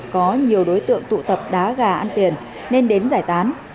có nhiều đối tượng tụ tập đá gà ăn tiền nên đến giải tán